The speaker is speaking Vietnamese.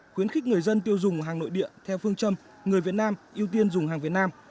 khuyến khích người dân tiêu dùng hàng nội địa theo phương châm người việt nam ưu tiên dùng hàng việt nam